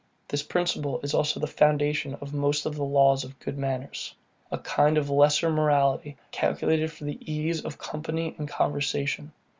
This principle is also the foundation of most of the laws of good manners; a kind of lesser morality, calculated for the ease of company and conversation.